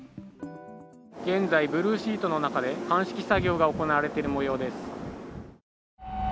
現在ブルーシートの中で鑑識作業が行われているもようです。